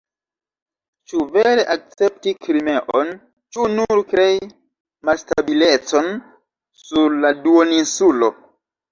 Ĉu vere akcepti Krimeon, ĉu nur krei malstabilecon sur la duoninsulo.